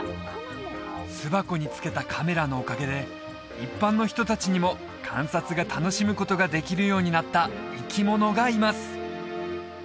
巣箱に付けたカメラのおかげで一般の人達にも観察が楽しむことができるようになった生き物がいます